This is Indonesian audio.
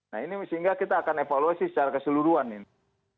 nah ini sehingga kita akan evaluasi secara keseluruhan ini